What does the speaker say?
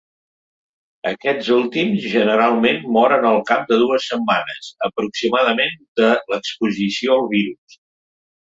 Aquests últims, generalment moren al cap de dues setmanes, aproximadament, de l'exposició al virus.